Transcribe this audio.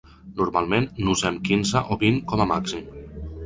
Normalment n’usem quinze o vint com a màxim.